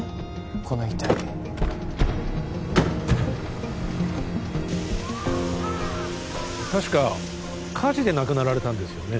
この遺体確か火事で亡くなられたんですよね